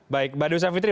baik pak dwi saifitri